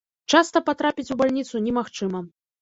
Часта патрапіць у бальніцу не магчыма.